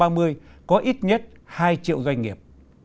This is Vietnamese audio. và đến năm hai nghìn năm mươi có ít nhất hai triệu doanh nghiệp